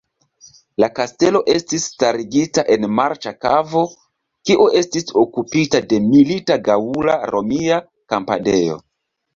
La kastelo estis starigita en marĉa kavo, kiu estis okupita de milita gaŭla-romia kampadejo.